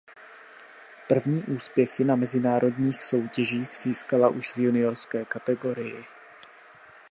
První úspěchy na mezinárodních soutěžích získala už v juniorské kategorii.